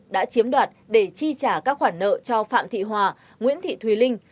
đã chiếm đoạt để chi trả các khoản nợ cho phạm thị hòa nguyễn thị thùy linh